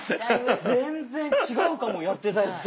全然違うかもやってたやつと。